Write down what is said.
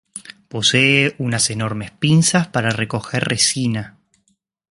Posee unas enormes pinzas para recoger resina.